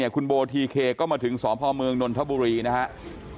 คุณโบทีเคก็มาถึงสพเมืองนนทบุรีนะครับ